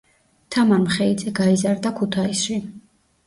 თამარ მხეიძე გაიზარდა ქუთაისში.